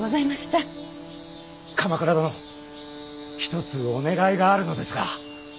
鎌倉殿一つお願いがあるのですが。